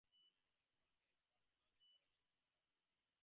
It contains personal recollections of Holocaust survivors.